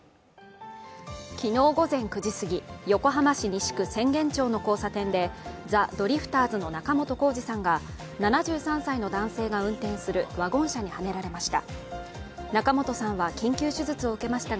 昨日午前９時すぎ、横浜市西区浅間町の交差点でザ・ドリフターズの仲本工事さんが７３歳の男性が運転するワゴン車にはねられました。